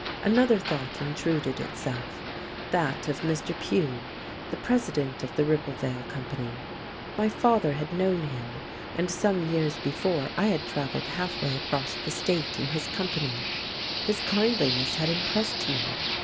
Another thought intruded itself, that of Mr. Pugh, the president of the Ribblevale Company. My father had known him, and some years before I had traveled halfway across the state in his company; his kindliness had impressed me.